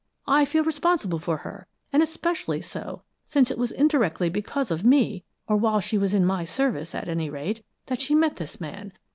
I feel responsible for her, and especially so since it was indirectly because of me, or while she was in my service, at any rate, that she met this man.